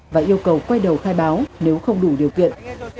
và yêu cầu quay đầu khai báo nếu không đủ điều kiện